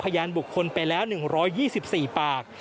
พยานบุคคลไปแล้ว๑๒๔ปาก